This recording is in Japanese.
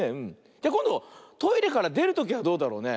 じゃこんどトイレからでるときはどうだろうね。